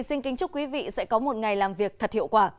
xin kính chúc quý vị sẽ có một ngày làm việc thật hiệu quả